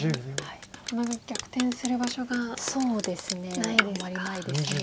なかなか逆転する場所がないですか。